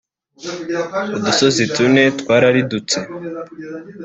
udusozi tune twararidutse